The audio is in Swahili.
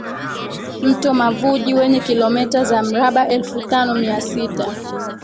Mto Mavuji wenye kilometa za mraba elfu tano mia sita